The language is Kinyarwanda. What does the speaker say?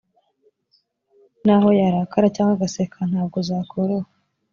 naho yarakara cyangwa agaseka ntabwo zakoroha